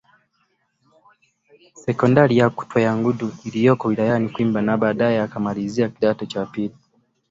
Sekondari ya kutwa ya Ngudu iliyoko wilayani Kwimba na baadaye akamalizia kidato cha pili